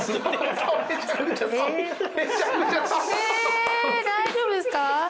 え大丈夫ですか？